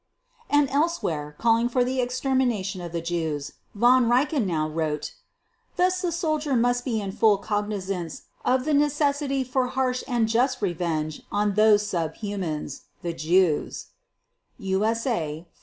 And elsewhere, calling for the extermination of the Jews, Von Reichenau wrote: "Thus the soldier must be in full cognizance of the necessity for harsh and just revenge on those sub humans, the Jews" (USA 556).